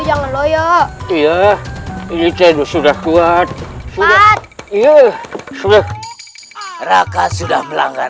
iya ajudah lo ya iya ini lighted sudah kuat pun tua iya sudah raka sudah melanggar